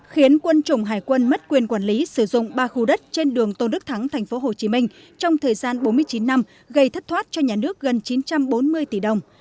khiến quân chủng hải quân mất quyền quản lý sử dụng ba khu đất trên đường tôn đức thắng tp hcm trong thời gian bốn mươi chín năm gây thất thoát cho nhà nước gần chín trăm bốn mươi tỷ đồng